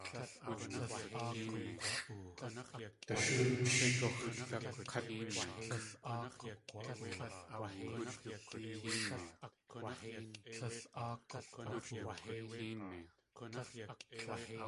Dashóoch.